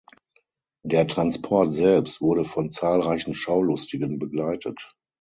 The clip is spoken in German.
Der Transport selbst wurde von zahlreichen Schaulustigen begleitet.